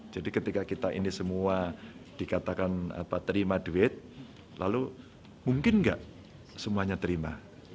jadi ketika kita ini semua dikatakan terima duit lalu mungkin nggak semuanya terima